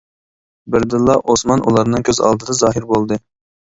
بىردىنلا ئوسمان ئۇلارنىڭ كۆز ئالدىدا زاھىر بولدى.